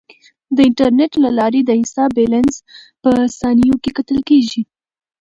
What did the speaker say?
د انټرنیټ له لارې د حساب بیلانس په ثانیو کې کتل کیږي.